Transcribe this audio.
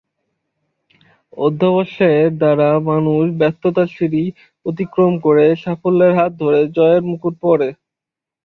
অধ্যবসায়ের দ্বারা মানুষ ব্যর্থতার সিঁড়ি অতিক্রম করে সাফল্যের হাত ধরে জয়ের মুকুট পড়ে।